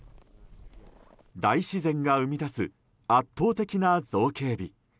大自然が生み出す圧倒的な造形美。